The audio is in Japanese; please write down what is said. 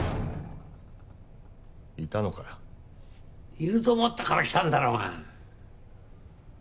いると思ったから来たんだろうが。